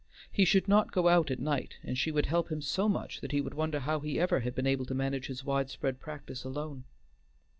He should not go out at night, and she would help him so much that he would wonder how he ever had been able to manage his wide spread practice alone.